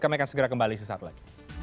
kami akan segera kembali sesaat lagi